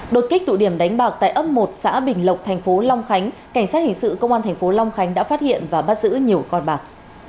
đột kích tụ điểm đánh bạc tại ấp một xã bình lộc tp long khánh cảnh sát hình sự công an tp long khánh đã phát hiện và bắt giữ nhiều con bạc